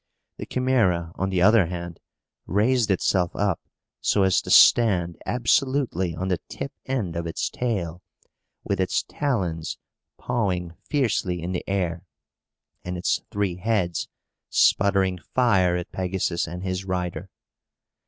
The Chimæra, on the other hand, raised itself up so as to stand absolutely on the tip end of its tail, with its talons pawing fiercely in the air, and its three heads sputtering fire at Pegasus and his rider.